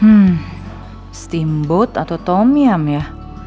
hmm steamboat atau tomyam ya